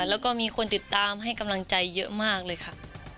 แล้วก็มีคนติดตามให้กำลังใจเยอะมากเลยค่ะ